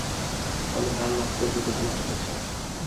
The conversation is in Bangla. ফলে তারও রক্তে গ্লুকোজের মাত্রা বেড়ে যায়।